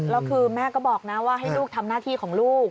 แล้วคือแม่ก็บอกนะว่าให้ลูกทำหน้าที่ของลูก